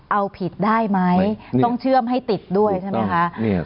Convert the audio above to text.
เอาผิดได้ไหมต้องเชื่อมให้ติดด้วยใช่ไหมคะ